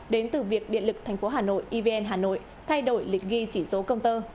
đến từ việc điện lực thành phố hà nội evn hà nội thay đổi lịch ghi chỉ số công tơ